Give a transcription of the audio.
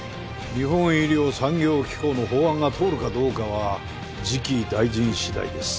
日本医療産業機構の法案が通るかどうかは次期大臣次第です。